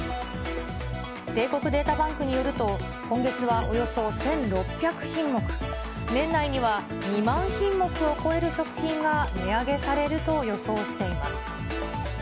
帝国データバンクによると、今月はおよそ１６００品目、年内には２万品目を超える食品が値上げされると予想しています。